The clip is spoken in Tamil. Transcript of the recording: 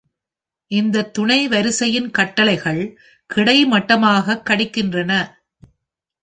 இந்த துணை வரிசையின் கட்டளைகள் கிடைமட்டமாகக் கடிக்கின்றன.